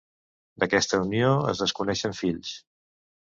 D'aquesta unió es desconeixen fills.